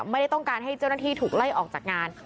ไม่ได้ต้องการให้เจ้าหน้าที่ถูกไล่ออกจากงาน